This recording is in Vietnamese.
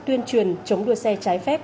tuyên truyền chống đua xe trái phép